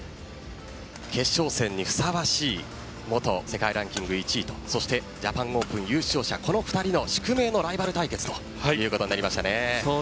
決勝戦にふさわしい元世界ランキング１位とジャパンオープン優勝者この２人の宿命のライバル対決そうですね。